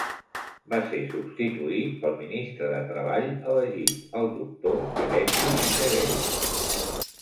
Va ser substituït pel ministre de Treball elegit, el doctor Feleti Sevele.